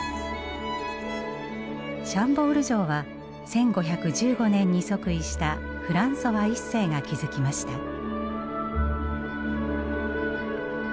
シャンボール城は１５１５年に即位したフランソワ一世が築きました。